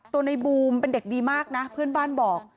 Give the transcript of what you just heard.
ในบูมเป็นเด็กดีมากนะเพื่อนบ้านบอก